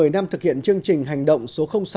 một mươi năm thực hiện chương trình hành động số sáu